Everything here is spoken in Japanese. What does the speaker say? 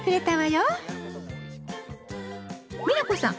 美奈子さん！